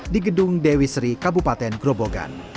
di gedung dewi sri kabupaten grobogan